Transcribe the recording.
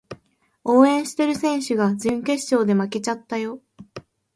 応援してる選手が準決勝で負けちゃったよ